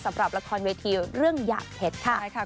สำหรับละครเวทีเรื่องหยาบเห็ดค่ะ